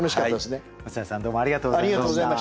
細谷さんどうもありがとうございました。